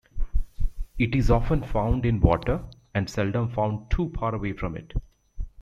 It is often found in water and seldom found too far away from it.